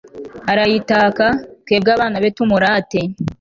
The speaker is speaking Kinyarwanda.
arayitaka, twebwe abana be tumurate